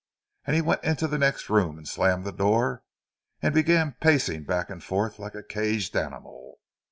And he went into the next room and slammed the door, and began pacing back and forth like a caged animal.